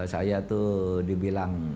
saya tuh dibilang